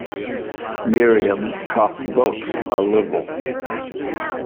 Miriam talked books a little.